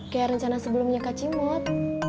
kayak rencana sebelumnya kak cimot